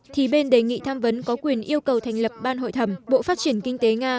thì bên đề nghị tham vấn có quyền yêu cầu thành lập ban hội thẩm bộ phát triển kinh tế nga